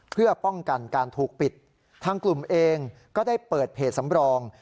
เพื่อป้องกันการถูกปิดทางกลุ่มเองก็ได้เปิดเพจสำรอง